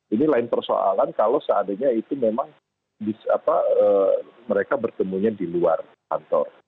ini lain persoalan kalau seandainya itu memang mereka bertemunya di luar kantor